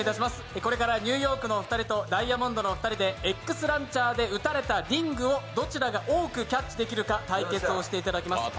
これからニューヨークのお二人とダイヤモンドのお二人で「Ｘランチャー」で打たれたリングをどちらが多くキャッチできるか対決していただきます。